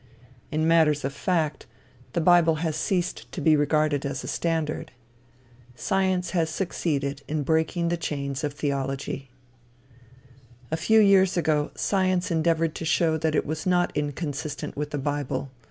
In matters of fact, the bible has ceased to be regarded as a standard. Science has succeeded in breaking the chains of theology. A few years ago, Science endeavored to show that it was not inconsistent with the bible.